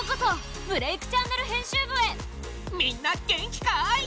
みんな元気かい？